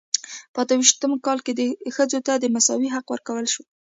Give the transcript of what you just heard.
په اته ویشت کال کې ښځو ته مساوي حق ورکړل شو.